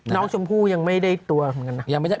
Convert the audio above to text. น้องชมพู่ยังไม่ได้ตัวเหมือนกันนะ